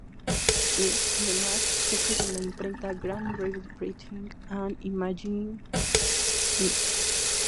Es, además, jefe de la imprenta Grand River Printing and Imaging Inc.